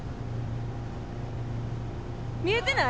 見えてない？